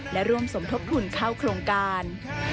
และร่วมสมทบทุนเข้าโครงการ